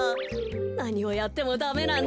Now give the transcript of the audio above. なにをやってもダメなんだ。